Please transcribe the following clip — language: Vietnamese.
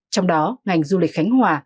trong đó ngành du lịch khánh hòa